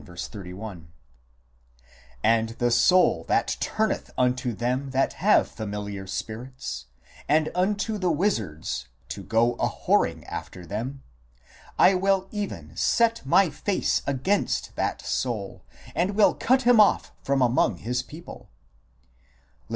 31) ;" And the soul that turneth unto them that have familiar spirits, and unto the wizards, to go a whoring after them, I will even set My face against that soul, and will cut him off from among his people " (Lev.